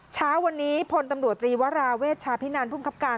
เช้าวันนี้พลตำรวจตรีวราเวชชาพินันภูมิคับการ